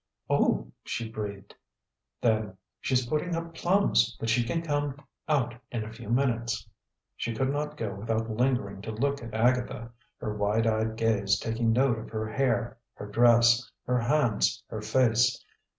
"Oh!" she breathed. Then, "She's putting up plums, but she can come out in a few minutes." She could not go without lingering to look at Agatha, her wide eyed gaze taking note of her hair, her dress, her hands, her face.